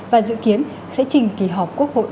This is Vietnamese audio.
và dự kiến sẽ trình kỳ họp quốc hội